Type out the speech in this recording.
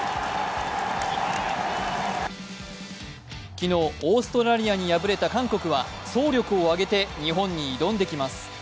昨日、オーストラリアに敗れた韓国は総力を挙げて日本に挑んできます。